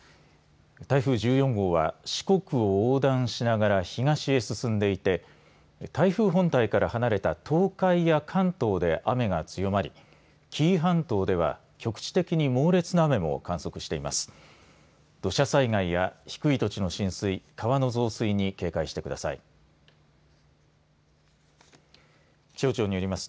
台風１４号は四国を横断しながら東へ進んでいて台風本体から離れた東海や関東で雨が強まり、紀伊半島では局地的に猛烈な雨も観測しています。